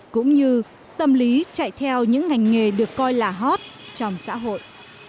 cũng như tâm lý chạy theo những ngành nghề được coi là hot trong xã hội